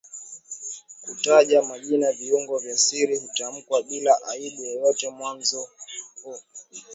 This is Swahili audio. kutaja majina viungo vya siri hutamkwa bila aibu yoyote mwanzo mwishoKwa wasioshuhudia siku